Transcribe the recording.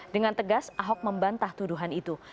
dengan tegas ahok membantah tuduhan itu